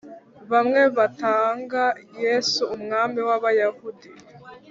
Bamwe bitaga Yesu Umwami w’Abayahudi